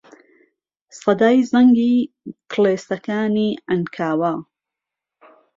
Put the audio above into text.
سەدای زەنگی کڵێسەکانی عەنکاوە